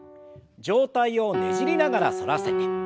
上体をねじりながら反らせて。